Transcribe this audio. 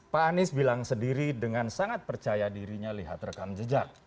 pak anies bilang sendiri dengan sangat percaya dirinya lihat rekam jejak